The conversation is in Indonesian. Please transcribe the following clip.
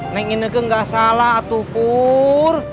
neng ineke gak salah atu pur